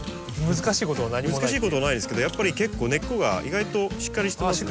難しいことはないですけどやっぱり結構根っこが意外としっかりしてますね。